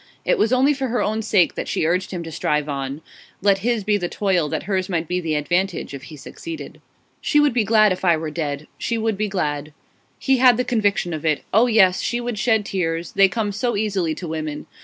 It was only for her own sake that she urged him to strive on; let his be the toil, that hers might be the advantage if he succeeded. 'She would be glad if I were dead. She would be glad.' He had the conviction of it. Oh yes, she would shed tears; they come so easily to women.